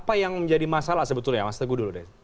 apa yang menjadi masalah sebetulnya mas teguh dulu deh